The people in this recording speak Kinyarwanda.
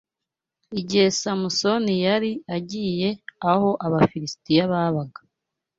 igihe Samusoni yari agiye aho Abafilisitiya babaga